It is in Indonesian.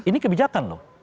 ini kebijakan loh